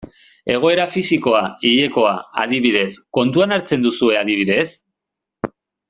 Egoera fisikoa, hilekoa, adibidez, kontuan hartzen duzue adibidez?